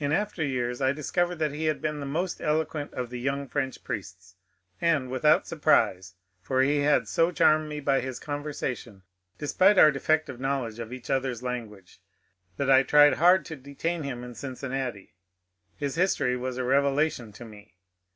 In after years I discovered that he had been the most eloquent of the young French priests ; and without surprise, for he had so charmed me by his conversation, despite our defective knowledge of each other's language, that I tried hard to de tain him in Cincinnati. His history was a revelation to me.